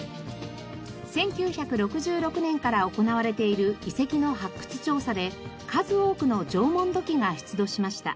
１９６６年から行われている遺跡の発掘調査で数多くの縄文土器が出土しました。